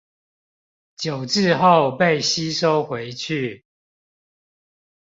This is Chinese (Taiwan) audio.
久置後被吸收回去